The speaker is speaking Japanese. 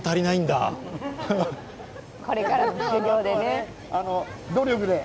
これからの修業でね。